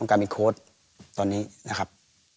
ต้องการมีโค้ดตอนนี้นะครับ